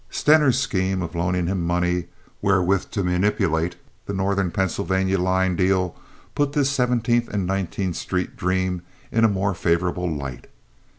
Stener's scheme of loaning him money wherewith to manipulate the North Pennsylvania line deal put this Seventeenth and Nineteenth Street dream in a more favorable light.